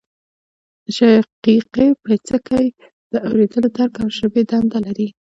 د شقیقې پیڅکی د اوریدلو درک او ژبې دنده لري